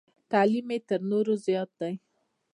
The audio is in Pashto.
تعلیم یې تر نورو زیات دی.